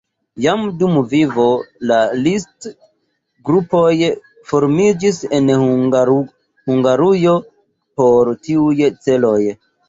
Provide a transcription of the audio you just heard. Jam dum vivo de Liszt grupoj formiĝis en Hungarujo por tiuj celoj.